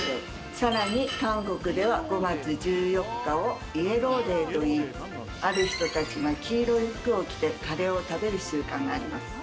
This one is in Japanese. さらに韓国では５月１４日をイエローデーといい、ある人たちが黄色い服を着てカレーを食べる習慣があります。